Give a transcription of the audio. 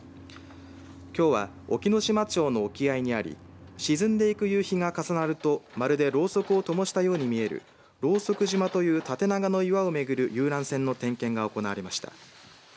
きょうは隠岐の島町の沖合にあり沈んでいく夕日が重なるとまるでろうそくをともしたように見えるローソク島という縦長の岩を巡る遊覧船の点検が行われました。